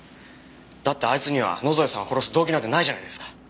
だってあいつには野添さんを殺す動機なんてないじゃないですか。